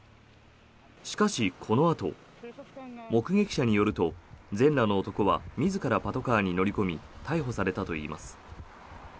しかし、このあと目撃者によると全裸の男は自らパトカーに乗り込み逮捕されたといいます。